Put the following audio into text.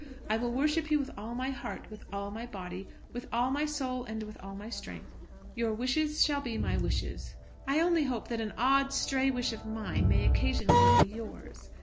I will worship you with all my heart, with all my body, with all my soul, and with all my strength. Your wishes shall be my wishes. I only hope that an odd stray wish of mine may occasionally be yours."